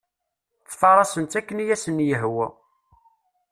Ttfarasen-tt akken i asen-yehwa.